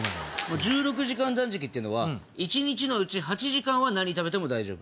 １６時間断食っていうのは一日のうち８時間は何食べても大丈夫。